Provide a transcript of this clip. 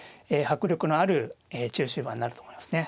迫力のある中終盤になると思いますね。